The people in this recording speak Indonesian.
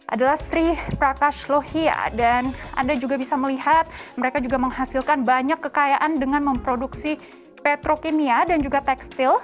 adalah sri prakashlohia dan anda juga bisa melihat mereka juga menghasilkan banyak kekayaan dengan memproduksi petrokimia dan juga tekstil